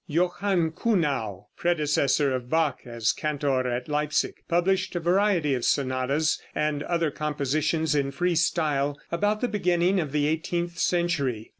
Johann Kuhnau (1667 1722), predecessor of Bach as cantor at Leipsic, published a variety of sonatas and other compositions in free style, about the beginning of the eighteenth century.